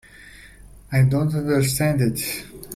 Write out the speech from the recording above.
I don't understand it.